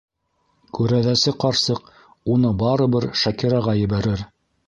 Күрәҙәсе ҡарсыҡ уны барыбер Шакираға ебәрер.